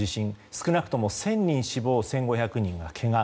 少なくとも１０００人死亡１５００人がけが。